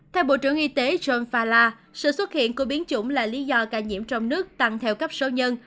theo bộ trưởng y tế john fala sự xuất hiện của biến chủng là lý do ca nhiễm trong nước tăng theo cấp số nhân